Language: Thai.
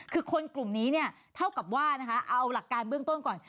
คือคนกลุ่มนี้เนี่ยเท่ากับว่านะคะเอาหลักการเบื้องต้นก่อน